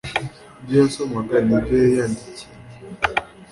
ibyo yasomaga ni ibyo yari yiyandikiye